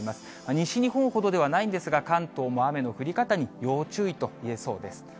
西日本ほどではないんですが、関東も雨の降り方に要注意といえそうです。